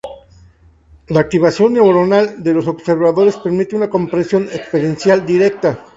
La activación neuronal de los observadores permite una comprensión experiencial directa.